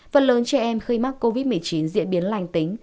phần lớn trẻ em khi mắc covid một mươi chín diễn biến lành tính